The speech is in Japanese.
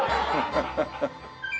ハハハハ！